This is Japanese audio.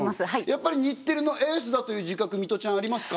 やっぱり日テレのエースだという自覚ミトちゃんありますか？